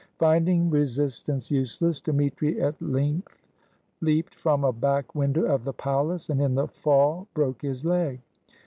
Finding resistance useless, Dmitri at length leaped from a back window of the palace, and in the fall broke his leg.